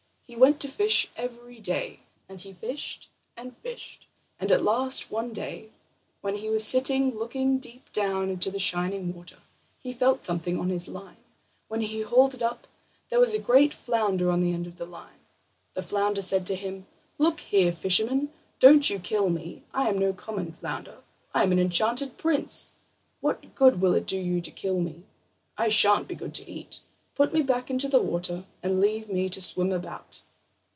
He went to fish every day, and he fished and fished, and at last one day, when he was sitting looking deep down into the shining water, he felt something on his line. When he hauled it up there was a great flounder on the end of the line. The flounder said to him: "Look here, fisherman, don't you kill me; I am no common flounder, I am an enchanted prince! What good will it do you to kill me? I sha'n't be good to eat; put me back into the water, and leave me to swim about."